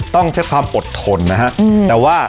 ต้องใช้ความอดทนนะฮะแต่ว่า